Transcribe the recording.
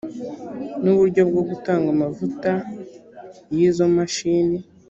n uburyo bwo gutanga amavuta y izo mashini